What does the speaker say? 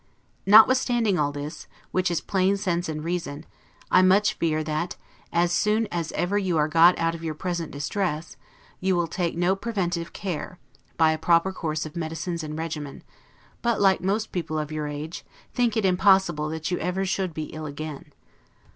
Notwithstanding all this, which is plain sense and reason, I much fear that, as soon as ever you are got out of your present distress, you will take no preventive care, by a proper course of medicines and regimen; but, like most people of your age, think it impossible that you ever should be ill again.